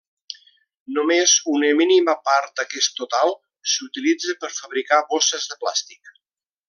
Només una mínima part d'aquest total s'utilitza per fabricar bosses de plàstic.